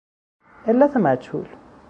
علت مجهول